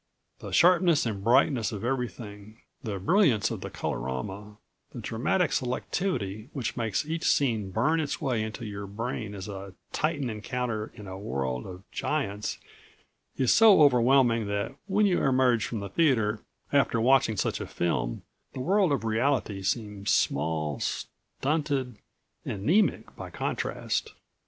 The sharpness and brightness of everything, the brilliance of the colorama, the dramatic selectivity which makes each scene burn its way into your brain as a titan encounter in a world of giants is so overwhelming that when you emerge from the theater after watching such a film the world of reality seems small, stunted, anaemic by contrast.